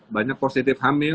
banyak positif hamil